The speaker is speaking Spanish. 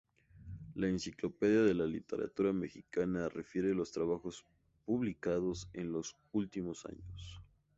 La Enciclopedia de la Literatura Mexicana refiere los trabajos publicados en los últimos años.